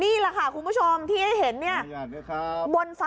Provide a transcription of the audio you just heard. นี่แหละค่ะคุณผู้ชมที่ได้เห็นเนี้ยขออนุญาตด้วยครับ